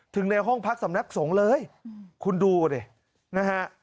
ถึงในห้องพักสำนักสงฆ์เลยคุณดูก่อนนี่นะฮะ